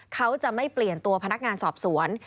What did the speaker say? เขาจะไม่เปลี่ยนตัวพนักงานสอบสวน